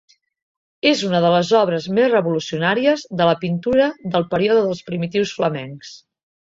És una de les obres més revolucionàries de la pintura del període dels primitius flamencs.